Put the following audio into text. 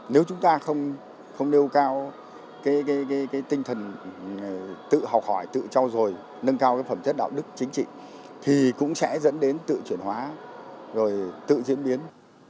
nếu chúng ta không nêu cao cái tinh thần tự học hỏi tự trao dồi nâng cao phẩm chất đạo đức chính trị thì cũng sẽ dẫn đến tự chuyển hóa rồi tự diễn biến